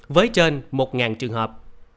với trên một trường hợp